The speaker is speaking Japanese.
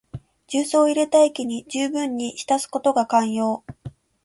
重曹を入れた液にじゅうぶんに浸すことが肝要。